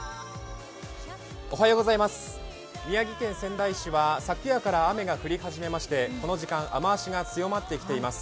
宮城県仙台市は昨夜から雨が降り始めましてこの時間、雨足が強まってきています。